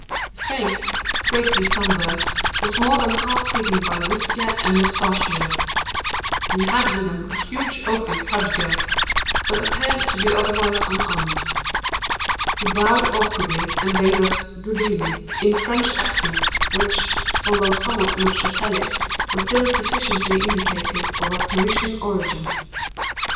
His face, greatly sunburnt, was more than half hidden by whisker and mustachio. He had with him a huge oaken cudgel, but appeared to be otherwise unarmed. He bowed awkwardly, and bade us "good evening," in French accents, which, although somewhat Neufchatelish, were still sufficiently indicative of a Parisian origin.